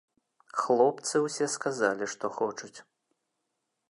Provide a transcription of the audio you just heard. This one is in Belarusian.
Хлопцы ўсе сказалі, што хочуць.